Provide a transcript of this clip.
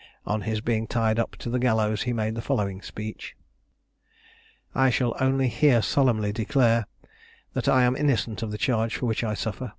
On his being tied up to the gallows, he made the following speech: "I shall only here solemnly declare, that I am innocent of the charge for which I suffer.